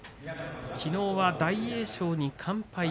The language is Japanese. きのうは大栄翔に完敗。